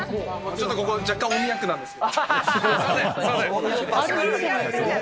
ちょっとここ、若干、大宮区なんですけど。